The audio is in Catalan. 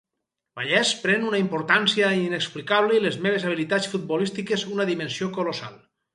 Vallès pren una importància inexplicable i les meves habilitats futbolístiques una dimensió colossal.